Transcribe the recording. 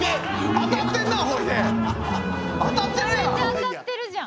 当たってるやん。